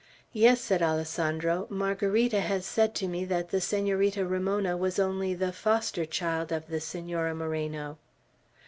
"Yes," said Alessandro; "Margarita has said to me that the Senorita Ramona was only the foster child of the Senora Moreno."